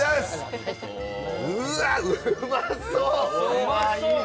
うわ、うまそ。